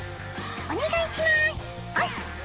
お願いしますおす！